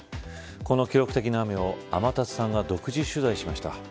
この記録的な雨を天達さんが独自取材しました。